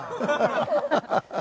ハハハハハ。